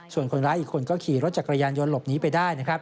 ส่วนคนร้ายอีกคนก็ขี่รถจักรยานยนต์หลบหนีไปได้นะครับ